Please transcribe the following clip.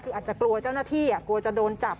คืออาจจะกลัวเจ้าหน้าที่กลัวจะโดนจับ